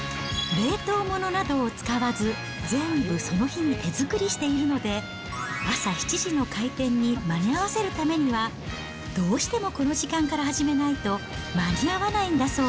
冷凍ものなどを使わず、全部その日に手作りしているので、朝７時の開店に間に合わせるためには、どうしてもこの時間から始めないと間に合わないんだそう。